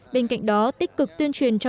bên cạnh đó tích cực tuyên truyền cho